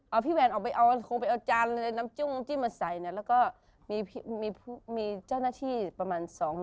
เอาพี่แวนมันจะไปเอาจานบกรุงและน้ำจุ้งมีเจ้าหน้าที่๒๓คน